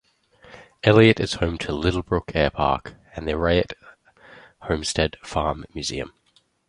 Eliot is home to Littlebrook Airpark and the Raitt Homestead Farm Museum.